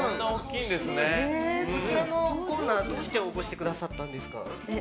こちらのコーナー、どうして応募してくださったんですか？